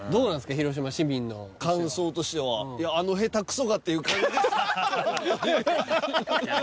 広島市民の感想としてはいやあの下手くそがっていう感じですね